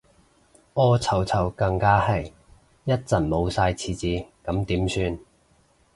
屙臭臭更加係，一陣冇晒廁紙咁點算